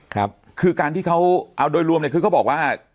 คือการที่เขาเอาโดยรวมเนี่ยคือเขาบอกว่า